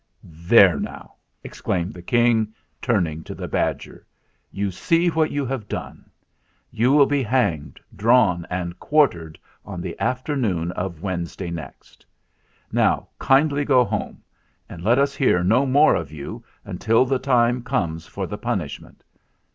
"There now!" exclaimed the King, turning to the badger. "You see what you have done. You will be hanged, drawn, and quartered on the afternoon of Wednesday next. Now kindly go home, and let us hear no more of you until the time comes for the punishment.